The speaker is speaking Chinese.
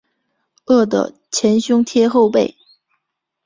饿得前胸贴后背